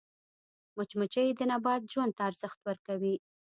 مچمچۍ د نبات ژوند ته ارزښت ورکوي